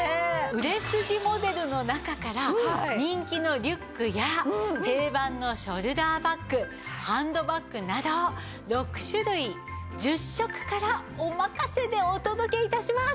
売れ筋モデルの中から人気のリュックや定番のショルダーバッグハンドバッグなど６種類１０色からおまかせでお届け致します。